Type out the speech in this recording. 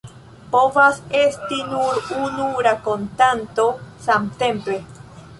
Povas esti nur unu rakontanto samtempe.